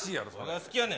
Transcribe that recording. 好きやねん。